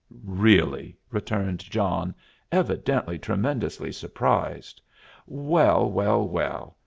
"Really?" returned John, evidently tremendously surprised. "Well, well, well!